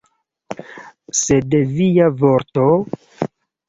Sed via vorto?